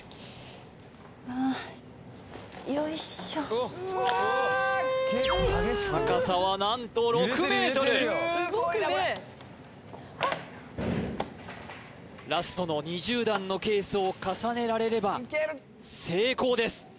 あよいしょ高さは何と６ｍラストの２０段のケースを重ねられれば成功です